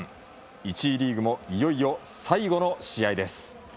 １次リーグもいよいよ最後の試合です。